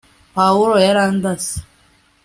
pawulo yarandase